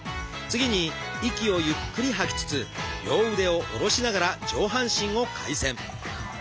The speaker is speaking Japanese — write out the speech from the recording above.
次に息をゆっくり吐きつつ両腕を下ろしながら上半身を回旋。